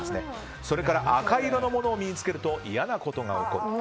赤い色のものを身に着けると嫌なことが起こる。